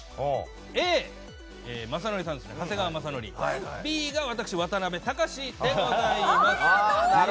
Ａが長谷川雅紀Ｂが私、渡辺隆でございます。